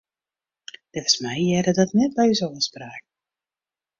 Neffens my hearde dat net by ús ôfspraak.